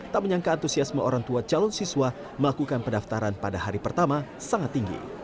tak menyangka antusiasme orang tua calon siswa melakukan pendaftaran pada hari pertama sangat tinggi